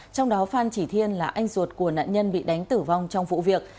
trong đó phan chỉ thiên là anh ruột của nạn nhân bị đánh tử vong trong vụ việc